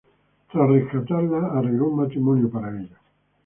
Tras rescatarla, arregló un matrimonio para ella.